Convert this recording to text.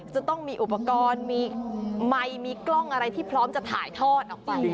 จะต้องมีอุปกรณ์มีไมค์มีกล้องอะไรที่พร้อมจะถ่ายทอดออกไป